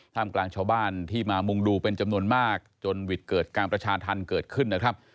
กลางชาวบ้านที่มามุงดูเป็นจำนวนมากจนวิทย์เกิดการประชาธรรมเกิดขึ้นนะครับ